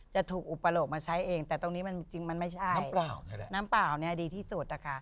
จะถูกอุปโลกมาใช้เองแต่ตรงนี้มันจริงมันไม่ใช่น้ำเปล่านี่แหละน้ำเปล่าเนี่ยดีที่สุดนะคะ